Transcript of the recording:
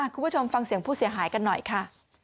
คุณผู้ชมฟังเสียงผู้เสียหายกันหน่อยค่ะ